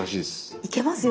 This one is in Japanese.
いけますよ